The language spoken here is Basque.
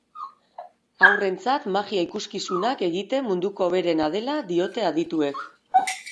Haurrentzat magia ikuskizunak egiten munduko hoberena dela diote adituek.